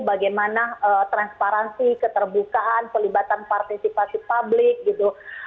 bagaimana transparansi keterbukaan pelibatan partisipasi publik gitu